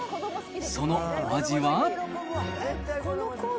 そのお味は。